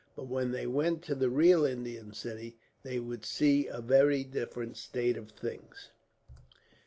But when they went to a real Indian city, they would see a very different state of things.